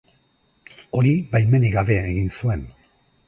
Hori baimenik gabe egin zuen.